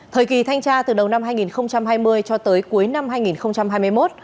thời kỳ thanh tra từ đầu năm hai nghìn hai mươi cho tới cuối năm hai nghìn hai mươi một